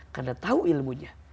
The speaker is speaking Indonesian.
karena tau ilmunya